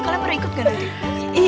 kalian mau ikut gak nanti